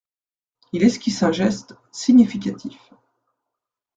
Il esquisse un geste significatif.